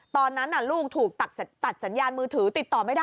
ตอนนั้นลูกถูกตัดสัญญาณมือถือติดต่อไม่ได้